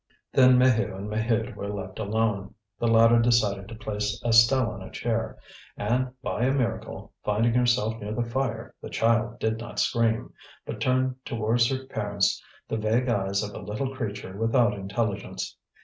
Then Maheu and Maheude were left alone. The latter decided to place Estelle on a chair, and by a miracle, finding herself near the fire the child did not scream, but turned towards her parents the vague eyes of a little creature without intelligence.